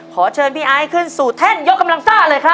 ขอเชิญพี่ไอซ์ขึ้นสู่แท่นยกกำลังซ่าเลยครับ